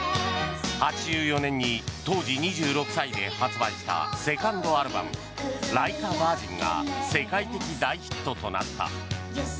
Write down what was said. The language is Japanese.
８４年に当時２６歳で発売したセカンドアルバム「ライク・ア・ヴァージン」が世界的大ヒットとなった。